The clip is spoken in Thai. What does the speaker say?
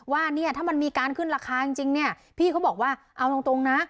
ว่าเนี่ยถ้ามันมีการขึ้นราคาจริงเนี่ยพี่เขาบอกว่าเอาตรงนะ